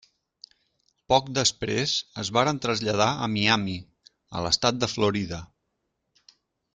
Poc després es varen traslladar a Miami, a l'estat de Florida.